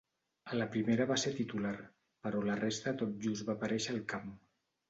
A la primera va ser titular, però la resta tot just va aparèixer al camp.